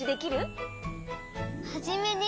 「はじめに」